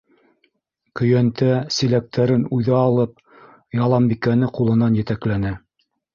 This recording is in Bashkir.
Көйәнтә-силәктәрен үҙе алып, Яланбикәне ҡулынан етәкләне.